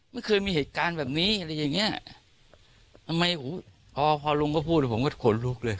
ไม่เคยมีเหตุการณ์แบบนี้อะไรอย่างเงี้ยทำไมพอพอลุงก็พูดผมก็ขนลุกเลย